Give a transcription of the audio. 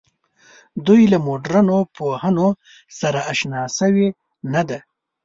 دوی له مډرنو پوهنو سره آشنا شوې نه ده.